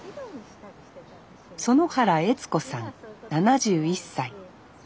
園原悦子さん７１歳。